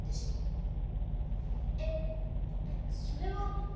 ええっそれは。